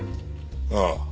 ああ。